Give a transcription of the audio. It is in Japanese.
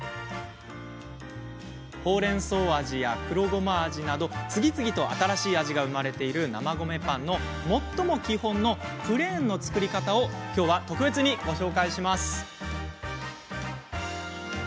ほうれんそう味や、黒ごま味など次々と新しい味が生まれている生米パンの最も基本のプレーンの作り方をきょうは、特別にご紹介します。